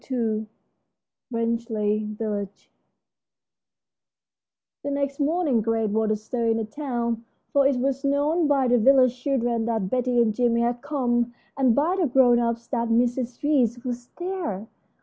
II RANGELEY VILLAGE The next morning great was the stir in the town, for it was known by the village children that Betty and Jimmie had come, and by the grown ups that Mrs. Reece was there.